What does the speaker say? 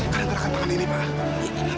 karena gerakan tangan ini pak